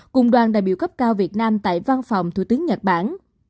cùng đoàn đại biểu cấp cao việt nam tại văn phòng thủ tướng nhật bản